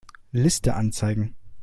Liste anzeigen.